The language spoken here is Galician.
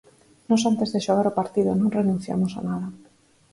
Nós antes de xogar o partido non renunciamos a nada.